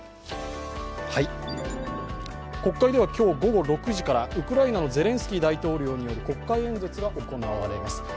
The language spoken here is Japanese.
国会では今日午後６時からウクライナのゼレンスキー大統領による演説が行います。